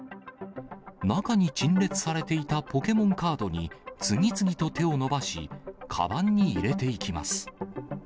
中に陳列されていたポケモンカードに、次々と手を伸ばし、かばんに入れていきます。